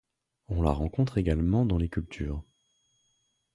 On la rencontre également dans les cultures.